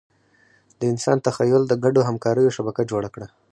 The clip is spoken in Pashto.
د انسان تخیل د ګډو همکاریو شبکه جوړه کړه.